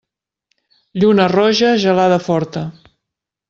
Lluna roja, gelada forta.